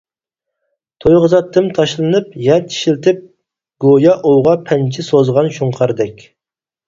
تويغۇزاتتىم تاشلىنىپ، يەر چىشلىتىپ، گويا ئوۋغا پەنجە سوزغان شۇڭقاردەك.